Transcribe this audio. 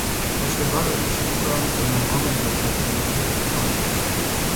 پشتکار و هوش او را به مقام ریاست جمهوری ارتقا داد.